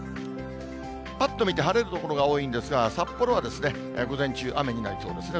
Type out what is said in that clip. ぱっと見て、晴れる所が多いんですが、札幌は午前中、雨になりそうですね。